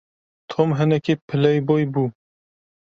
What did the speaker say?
Tom hinekî playboy bû.